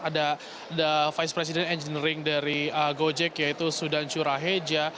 ada vice president engineering dari gojek yaitu sudan churaheja